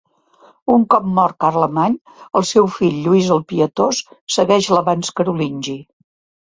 Un cop mort Carlemany, el seu fill, Lluís el Pietós, segueix l'avanç carolingi.